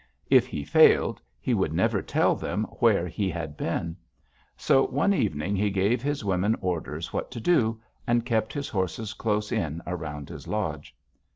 If he failed, he would never tell them where he had been. So, one evening, he gave his women orders what to do, and kept his horses close in around his lodge.